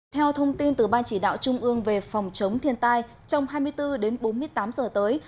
theo thông tin từ ban chỉ đạo trung ương về phòng chống thiên tai trong hai mươi bốn đến bốn mươi tám giờ tới